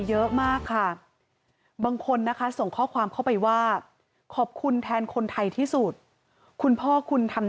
เยอะมากค่ะบางคนนะคะส่งข้อความเข้าไปว่าขอบคุณแทนคนไทยที่สุดคุณพ่อคุณทำ